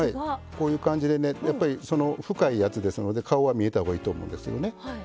こういう感じでねやっぱりその深いやつですので顔は見えたほうがいいと思うんですよね。